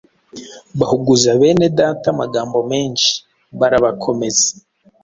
bahuguza bene Data amagambo menshi, barabakomeza.